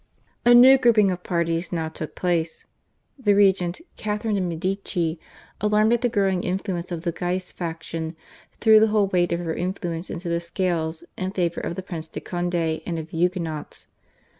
A new grouping of parties now took place. The regent, Catharine de' Medici, alarmed at the growing influence of the Guise faction, threw the whole weight of her influence into the scales in favour of the Prince de Conde and of the Huguenots.